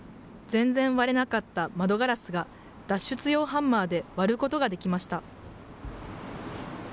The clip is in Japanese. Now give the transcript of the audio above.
全然割れなかった窓ガラスが、脱出用ハンマーで割ることができました。